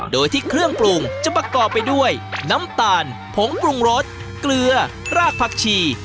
โดยที่เครื่องปรุงจะประกอบไปด้วยน้ำตาลผงปรุงรสเกลือรากผักชี